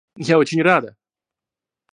Я очень рада!